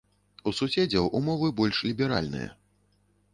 У суседзяў умовы больш ліберальныя.